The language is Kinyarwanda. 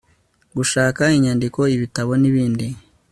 gushaka inyandiko ibitabo n ibindi